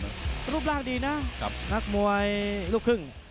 รูปร่างดีนะกับนักมวยลูกครึ่ง